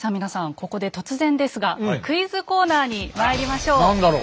ここで突然ですがクイズコーナーにまいりましょう。